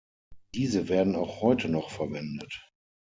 Diese werden auch heute noch verwendet.